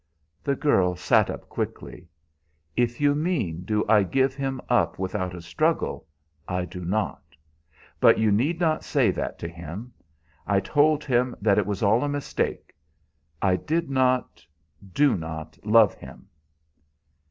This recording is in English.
The girl sat up quickly. "If you mean do I give him up without a struggle I do not. But you need not say that to him. I told him that it was all a mistake; I did not do not love him."